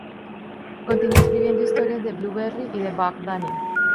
Continuo escribiendo historias de "Blueberry" y de "Buck Danny".